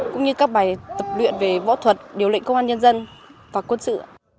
cũng như các bài tập luyện về võ thuật điều lệnh công an nhân dân và quân sự